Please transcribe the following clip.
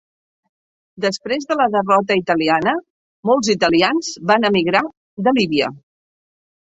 Després de la derrota italiana molts italians van emigrar de Líbia.